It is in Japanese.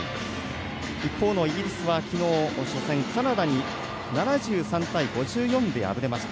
一方のイギリスは昨日、初戦カナダに７３対５４で敗れました。